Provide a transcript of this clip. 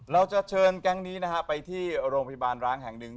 เราจะเชิญแก๊งนี้นะฮะไปที่โรงพยาบาลร้างแห่งหนึ่ง